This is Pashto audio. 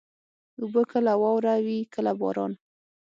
اوبه کله واوره وي، کله باران.